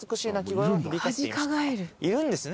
いるんですね